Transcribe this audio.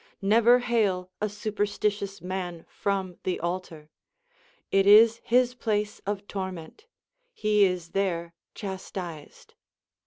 Never hale a superstitious man from the altar. It is his place of torment ; he is there chas tised.